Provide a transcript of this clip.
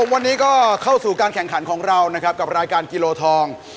วันนี้ก็เข้าสู่การแข่งขันของเรานะครับกับรายการกิโลทอง